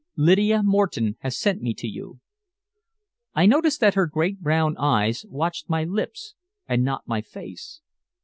Lydia Moreton has sent me to you." I noticed that her great brown eyes watched my lips and not my face.